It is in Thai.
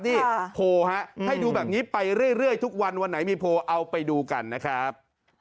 นี่โพลฮะให้ดูแบบนี้ไปเรื่อยทุกวันวันไหนมีโพลเอาไปดูกันนะครับ